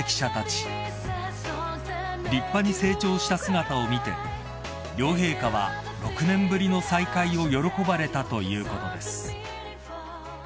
［立派に成長した姿を見て両陛下は６年ぶりの再会を喜ばれたということです］